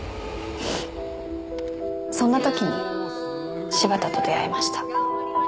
そんな時に柴田と出会いました。